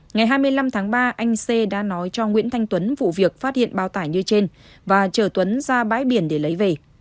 ngày hai mươi năm tháng ba anh c đã nói cho nguyễn thanh tuấn vụ việc phát hiện bao tải như trên và chở tuấn ra bãi biển để lấy về